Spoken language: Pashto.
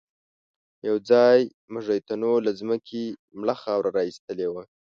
يوځای مېږتنو له ځمکې مړه خاوره را ايستلې وه.